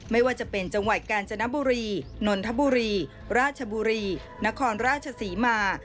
ไม่ว่าจะเป็นจังหวัดกาญจนบุรีนนทบุรีราชบุรีนครราชศรีมา